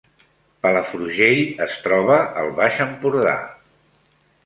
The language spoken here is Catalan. Palafrugell es troba al Baix Empordà